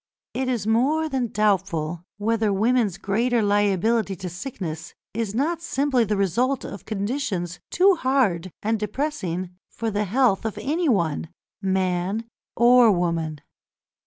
It is more than doubtful whether women's greater liability to sickness is not simply the result of conditions too hard and depressing for the health of anyone, man or woman.